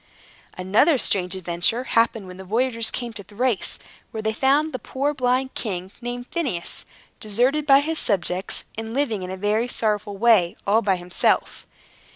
Another strange adventure happened when the voyagers came to Thrace, where they found a poor blind king, named Phineus, deserted by his subjects, and living in a very sorrowful way, all by himself.